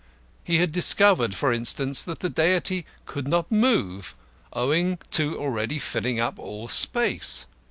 He had discovered, for instance, that the Deity could not move, owing to already filling all space.